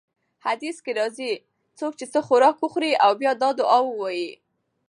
حديث کي راځي: څوک چې څه خوراک وخوري او بيا دا دعاء ووايي: